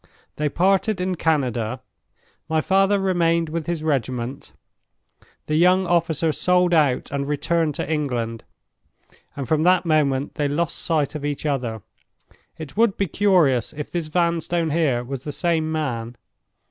They parted in Canada. My father remained with his regiment; the young officer sold out and returned to England, and from that moment they lost sight of each other. It would be curious if this Vanstone here was the same man.